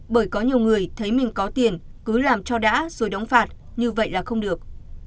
bởi có nhiều người thấy mình có tiền cứ làm cho đã rồi đóng phạt như vậy là không được